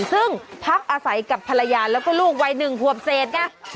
ซึ่งพักอาศัยกับภรรยาแล้วก็ลูกวัย๑ขวบเศษไง